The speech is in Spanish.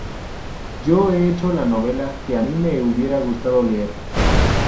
Yo he hecho la novela que a mí me hubiera gustado leer.